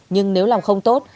nhưng nếu làm không tốt